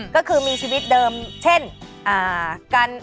ก็คือมีชีวิตเดิมเช่นกัน